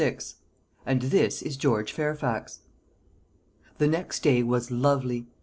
AND THIS IS GEORGE FAIRFAX. The next day was lovely.